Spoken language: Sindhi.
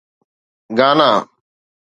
گانا